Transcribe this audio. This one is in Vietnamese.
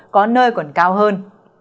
có nơi còn cao hơn